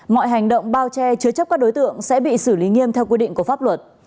mọi hành động bao che chứa chấp các đối tượng sẽ bị xử lý nghiêm theo quy định của pháp luật